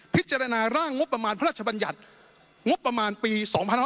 พิจารณาร่างงบประมาณพระราชบัญญัติงบประมาณปี๒๕๖๒